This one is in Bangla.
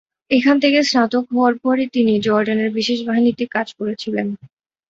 এখান থেকে স্নাতক হওয়ার পরে, তিনি জর্ডানের বিশেষ বাহিনীতে কাজ করেছিলেন।